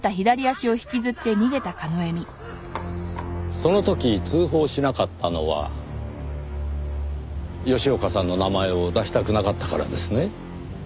その時通報しなかったのは吉岡さんの名前を出したくなかったからですね？